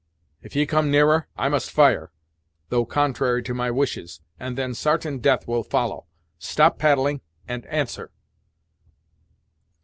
If ye come nearer, I must fire, though contrary to my wishes, and then sartain death will follow. Stop paddling, and answer."